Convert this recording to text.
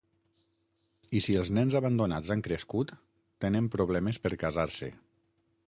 I si els nens abandonats han crescut, tenen problemes per casar-se.